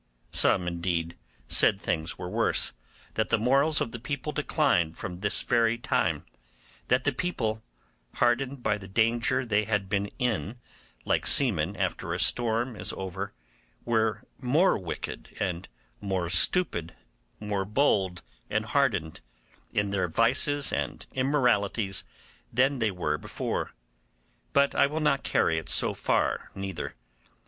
Some, indeed, said things were worse; that the morals of the people declined from this very time; that the people, hardened by the danger they had been in, like seamen after a storm is over, were more wicked and more stupid, more bold and hardened, in their vices and immoralities than they were before; but I will not carry it so far neither.